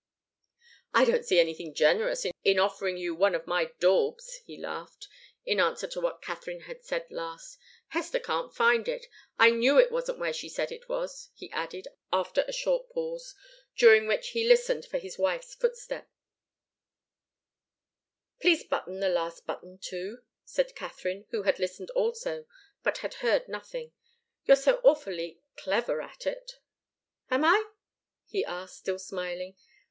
"I don't see anything generous in offering you one of my daubs!" he laughed, in answer to what Katharine had said last. "Hester can't find it I knew it wasn't where she said it was," he added, after a short pause, during which he listened for his wife's footstep. "Please button the last button, too," said Katharine, who had listened also, but had heard nothing. "You're so awfully clever at it." "Am I?" he asked, still smiling.